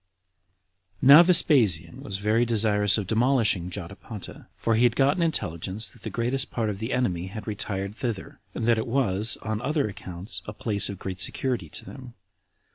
3. Now Vespasian was very desirous of demolishing Jotapata, for he had gotten intelligence that the greatest part of the enemy had retired thither, and that it was, on other accounts, a place of great security to them.